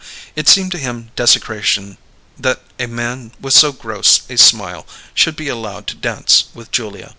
It seemed to him desecration that a man with so gross a smile should be allowed to dance with Julia.